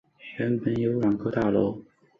原来有两个大楼